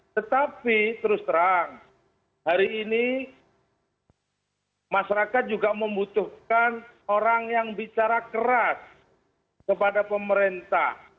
tetapi terus terang hari ini masyarakat juga membutuhkan orang yang bicara keras kepada pemerintah